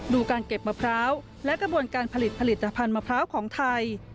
ดูการเก็บมะพร้าวและกระบวนการผลิตผลิตภัณฑ์มะพร้าวของไทย